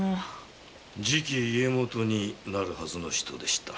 次期家元になるはずの人でした。